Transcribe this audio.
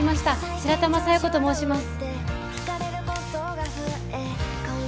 白玉佐弥子と申します